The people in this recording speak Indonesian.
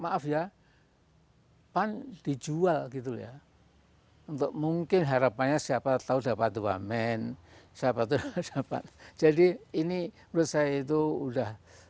maaf ya pan dijual gitu ya untuk mungkin harapannya siapa tahu dapat wamen siapa tuh dapat jadi ini menurut saya itu udah